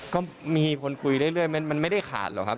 ก็มีคนคุยเรื่อยมันไม่ได้ขาดหรอกครับ